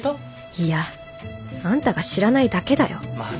いやあんたが知らないだけだよまあ